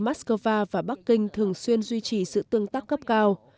moscow và bắc kinh thường xuyên duy trì sự tương tác cấp cao